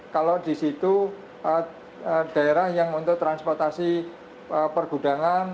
kalau di situ daerah yang untuk transportasi pergudangan